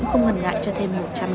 mở hết cả ra xem ạ